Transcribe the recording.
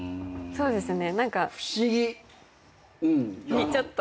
そうですね。